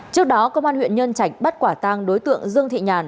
trước đó công an huyện nhân trạch bắt quả tang đối tượng dương thị nhàn